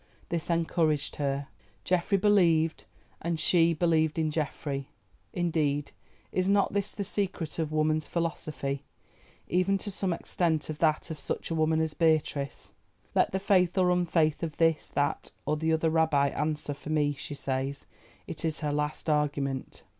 This encouraged her. Geoffrey believed, and she—believed in Geoffrey. Indeed, is not this the secret of woman's philosophy—even, to some extent, of that of such a woman as Beatrice? "Let the faith or unfaith of This, That, or the other Rabbi answer for me," she says—it is her last argument.